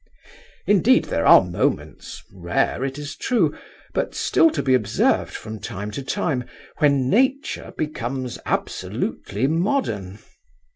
Indeed there are moments, rare, it is true, but still to be observed from time to time, when Nature becomes absolutely modern.